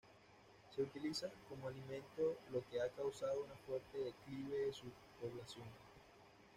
Se utiliza como alimento lo que ha causado un fuerte declive de sus poblaciones.